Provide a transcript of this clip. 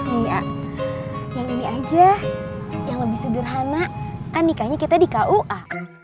iya yang ini aja yang lebih sederhana kan nikahnya kita di kua